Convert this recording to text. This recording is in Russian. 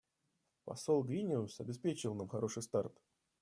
Посол Гриниус обеспечил нам хороший старт.